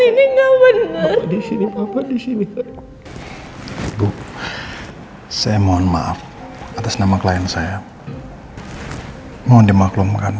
ini enggak bener di sini di sini saya mohon maaf atas nama klien saya mohon dimaklumkan